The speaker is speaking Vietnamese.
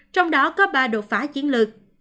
trong đó có ba đột phá chiến lược